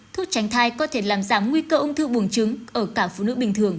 thuốc tránh thai có thể làm giảm nguy cơ ung thư buồng trứng ở cả phụ nữ bình thường